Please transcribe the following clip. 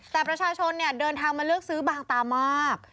แต่ประชาชนเดินทางมาเลือกซื้อบางตามาก